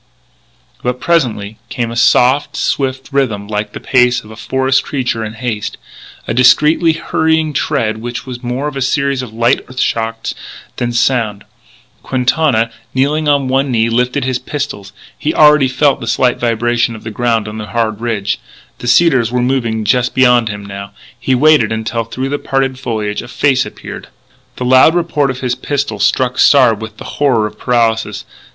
But, presently, came a soft, swift rhythm like the pace of a forest creature in haste a discreetly hurrying tread which was more a series of light earth shocks than sound. Quintana, kneeling on one knee, lifted his pistol. He already felt the slight vibration of the ground on the hard ridge. The cedars were moving just beyond him now. He waited until, through the parted foliage, a face appeared. The loud report of his pistol struck Sard with the horror of paralysis.